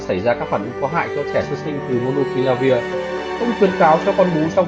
xảy ra các phản ứng có hại cho trẻ sơ sinh từ monopiravir cô nữ khuyến cáo cho con bú trong